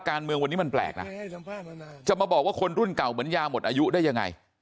การเมืองวันนี้มันแปลกนะจะมาบอกว่าคนรุ่นเก่าเหมือนยาหมดอายุได้ยังไง